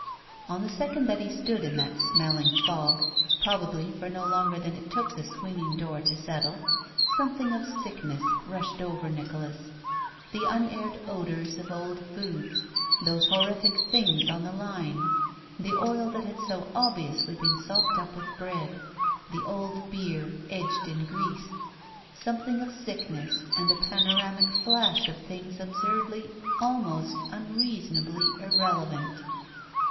On the second that he stood in that smelling fog, probably for no longer than it took the swinging door to settle, something of sickness rushed over Nicholas. The tmaired odors of old foods. Those horrific things on the line. The oil that had so obviously been sopped up with bread. The old beer, edged in grease. Something of sickness and a panoramic flash of things absurdly, almost unreasonably irrelevant.